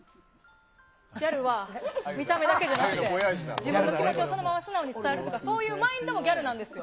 ギャルは、見た目だけじゃなくて、自分の気持ちをそのまま素直に伝えるとか、そういうマインドもギャルなんですよ。